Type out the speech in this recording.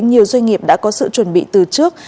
nhiều doanh nghiệp đã có sự chuẩn bị từ trước